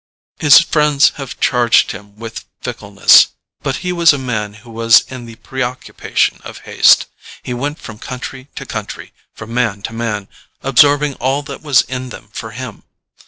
His friends have charged him with fickleness, but he was a man who was in the preoccupation of haste. He went from country to country, from man to man, absorbing all that was in them for him.